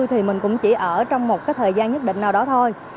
thì mình cũng chỉ ở trong một cái thời gian nhất định nào đó thôi